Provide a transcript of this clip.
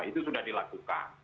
itu sudah dilakukan